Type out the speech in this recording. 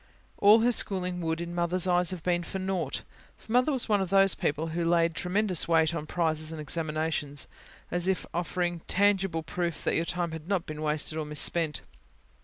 All her schooling would, in Mother's eyes, have been for naught. For Mother was one of those people who laid tremendous weight on prizes and examinations, as offering a tangible proof that your time had not been wasted or misspent.